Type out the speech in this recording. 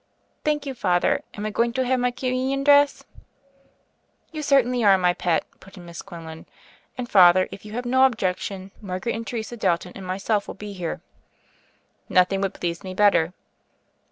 "Thank you. Father. Am I going to have my Communion dress?" "You certainly are, my pet," put in Miss Quinlan. "And, Father, if you have no objec tion, Margaret and Teresa Dalton and myself will be here." "Nothing would please me better."